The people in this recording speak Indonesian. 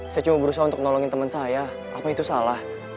saya cuma berusaha untuk nolongin temen saya apa itu salah